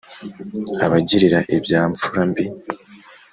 abagirira ibya mfura mbi